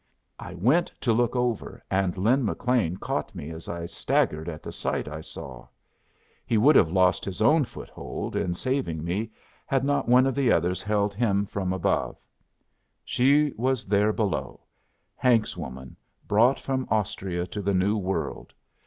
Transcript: I went to look over, and Lin McLean caught me as I staggered at the sight I saw. He would have lost his own foothold in saving me had not one of the others held him from above. She was there below; Hank's woman, brought from Austria to the New World.